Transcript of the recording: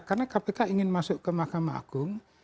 karena kpk ingin masuk ke magam agung